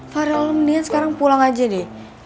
farel lo mendingan sekarang pulang aja deh